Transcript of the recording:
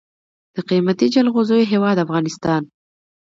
د قیمتي جلغوزیو هیواد افغانستان.